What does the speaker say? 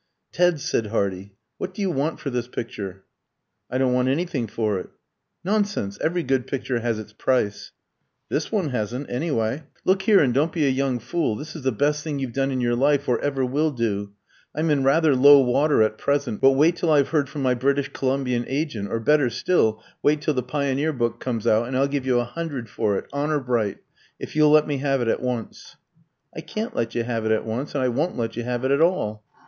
"Ted," said Hardy, "what do you want for this picture?" "I don't want anything for it." "Nonsense! Every good picture has its price." "This one hasn't, anyway." "Look here, and don't be a young fool. This is the best thing you've done in your life or ever will do. I'm in rather low water at present, but wait till I've heard from my British Columbian agent, or, better still, wait till the Pioneer book comes out, and I'll give you a hundred for it, honour bright, if you'll let me have it at once." "I can't let you have it at once, and I won't let you have it at all."